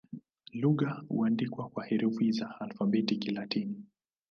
Lugha huandikwa na herufi za Alfabeti ya Kilatini.